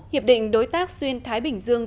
hiệp định đối tác xuyên thái bình dương